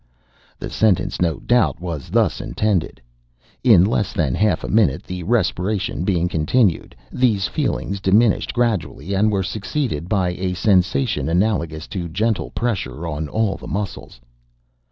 The sentence, no doubt, was thus intended: 'In less than half a minute, the respiration [being continued, these feelings] diminished gradually, and were succeeded by [a sensation] analogous to gentle pressure on all the muscles.